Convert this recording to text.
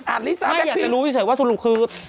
อ่านลิซ่าแบ็คพีทไม่อยากจะรู้เฉยว่าสรุปคือ